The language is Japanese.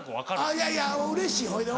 いやいやうれしいほいで。